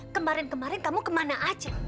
kemarin kemarin kamu kemana aja